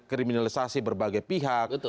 kriminalisasi berbagai pihak